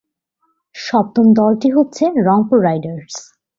সপ্তম দলটি হচ্ছে রংপুর রাইডার্স।